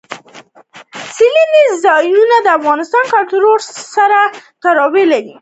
سیلانی ځایونه د افغان کلتور سره تړاو لري.